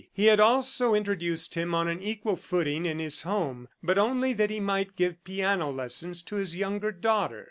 He had also introduced him on an equal footing in his home, but only that he might give piano lessons to his younger daughter.